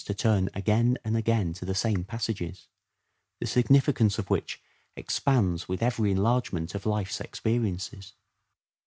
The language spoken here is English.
to turn again and again to the same passages, the significance of which expands with every enlargement of life's experiences.